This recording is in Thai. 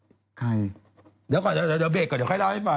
เดี๋ยวก่อนเดี๋ยวเบรค่ะ